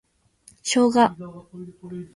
ショウガ